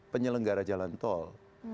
penyelenggara jalan tol